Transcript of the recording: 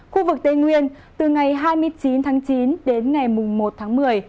khu vực tây nguyên từ ngày hai mươi chín tháng chín đến ngày một tháng một mươi